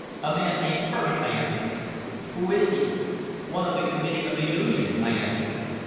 "A man named Hirsch," I answered. "Who is he?" "One of the committee of the Union," I answered.